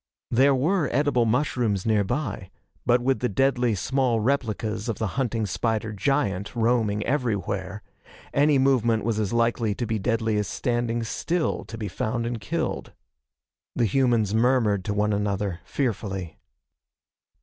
There were edible mushrooms nearby, but with the deadly small replicas of the hunting spider giant roaming everywhere, any movement was as likely to be deadly as standing still to be found and killed. The humans murmured to one another, fearfully.